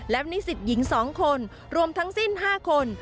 และนิสิตหญิง๒คนรวมทั้งสิ้น๕คน